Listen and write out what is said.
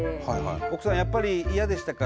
奥さんやっぱり嫌でしたか？